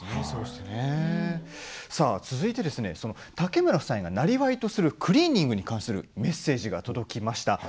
続いて竹村夫妻がなりわいとするクリーニングに関するメッセージが届きました。